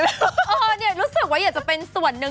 เออเนี่ยรู้สึกว่าอยากจะเป็นส่วนหนึ่ง